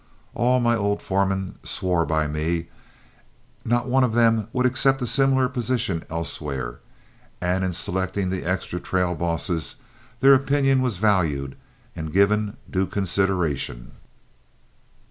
All my old foremen swore by me, not one of them would accept a similar situation elsewhere, and in selecting the extra trail bosses their opinion was valued and given due consideration.